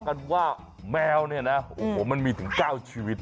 กันว่าแมวเนี่ยนะโอ้โหมันมีถึง๙ชีวิต